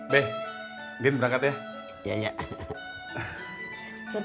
be be berangkat ya ya ya